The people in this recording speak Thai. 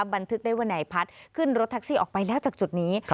บันทึกได้ว่านายพัฒน์ขึ้นรถแท็กซี่ออกไปแล้วจากจุดนี้